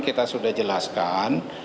kita sudah jelaskan